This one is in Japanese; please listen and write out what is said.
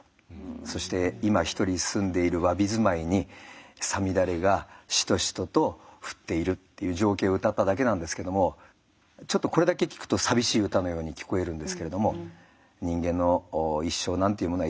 そして今ひとり住んでいるわび住まいに五月雨がシトシトと降っているっていう情景をうたっただけなんですけどもこれだけ聞くと寂しい歌のように聞こえるんですけれども人間の一生なんていうものは一瞬の出来事だと。